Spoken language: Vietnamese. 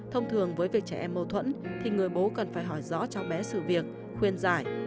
thông thường với việc trẻ em mâu thuẫn thì người bố cần phải hỏi rõ cháu bé sự việc khuyên giải